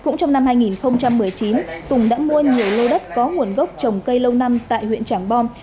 cũng trong năm hai nghìn một mươi chín tùng đã mua nhiều lô đất có nguồn gốc trồng cây lâu năm tại huyện trảng bom